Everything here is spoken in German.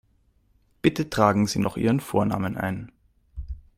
Bitte tragen Sie noch Ihren Vornamen ein.